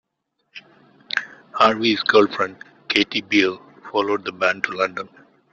Harvey's girlfriend Katy Beale followed the band to London.